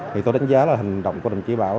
thì tôi đánh giá là hành động của đồng chí bảo